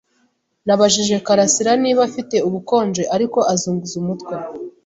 Nabajije Karasiraniba afite ubukonje, ariko azunguza umutwe.